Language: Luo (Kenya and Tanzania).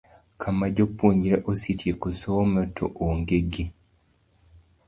Kama japuonjre osetieko somo to oonge gi